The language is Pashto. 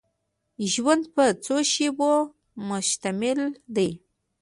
ژوند په څو شېبو مشتمل دی.